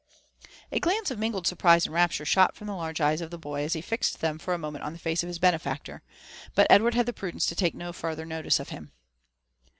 A glance of mingled surprise and rapture shot from the large eyes of the boy as he fixed them for a moment oh the face of his benefactor ; but Edward had the prudence to take no farther notice of him.